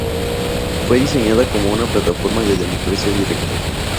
Fue diseñado como una plataforma de democracia directa.